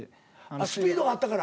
スピードがあったから。